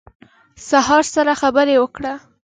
د سهار سره خبرې وکړه